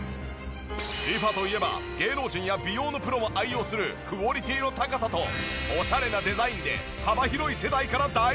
リファといえば芸能人や美容のプロも愛用するクオリティーの高さとオシャレなデザインで幅広い世代から大人気！